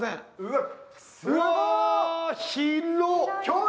うわ、広い。